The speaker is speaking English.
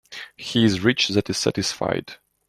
He is rich that is satisfied.